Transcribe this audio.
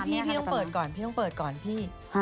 พี่พี่ต้องเปิดก่อนพี่ต้องเปิดก่อนพี่